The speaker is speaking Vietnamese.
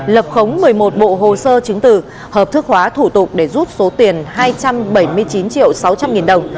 lập khống một mươi một bộ hồ sơ chứng từ hợp thức hóa thủ tục để rút số tiền hai trăm bảy mươi chín triệu sáu trăm linh nghìn đồng